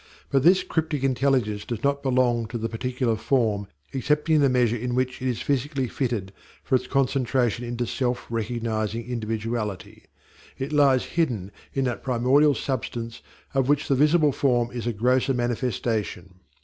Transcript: But this cryptic intelligence does not belong to the particular form excepting in the measure in which it is physically fitted for its concentration into self recognizing individuality: it lies hidden in that primordial substance of which the visible form is a grosser manifestation.